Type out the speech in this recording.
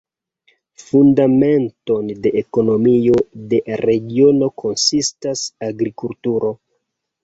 Fundamenton de ekonomio de regiono konsistas agrikulturo.